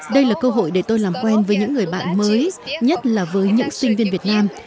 đây là cơ hội để tôi làm quen với những người bạn mới nhất là với những sinh viên việt nam